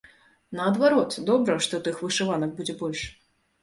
Наадварот, добра, што тых вышыванак будзе больш.